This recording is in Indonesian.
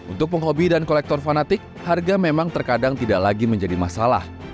untuk penghobi dan kolektor fanatik harga memang terkadang tidak lagi menjadi masalah